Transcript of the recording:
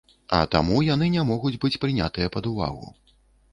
А таму яны не могуць быць прынятыя пад увагу.